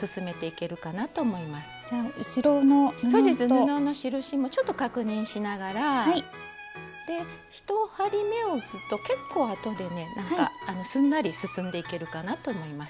布の印もちょっと確認しながらで１針めを打つと結構後でねなんかすんなり進んでいけるかなと思います。